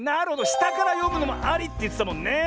したからよむのもありってやつだもんね。